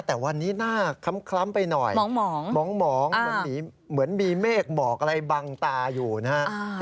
แต่วันนี้หน้าคล้ำไปหน่อยหมองเหมือนมีเมฆหมอกอะไรบังตาอยู่นะฮะ